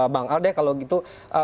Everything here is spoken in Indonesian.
bang al deh kalau gitu